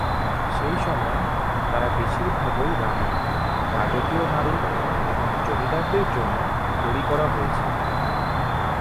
সেই সময়ে, তারা বেশিরভাগই রাণী, রাজকীয় নারী এবং জমিদারদের জন্য তৈরী করা হয়েছে।